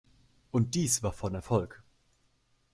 Und dies war von Erfolg.